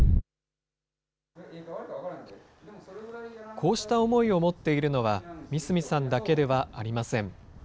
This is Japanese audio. こうした思いを持っているのは、三隅さんだけではありません。